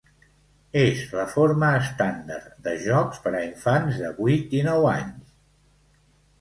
És la forma estàndard de jocs per a infants de vuit i nou anys.